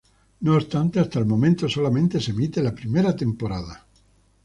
No obstante, hasta el momento solamente se emite la primera temporada.